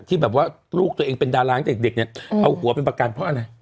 ที่แบบว่าลูกตัวเองเป็นดาราตั้งแต่เด็กเนี่ยเอาหัวเป็นประกันเพราะอะไร